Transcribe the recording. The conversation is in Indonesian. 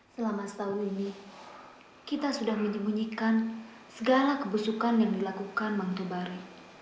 selama setahun ini kita sudah menyembunyikan segala kebusukan yang dilakukan mang tobari